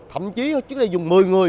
thậm chí trước đây dùng một mươi người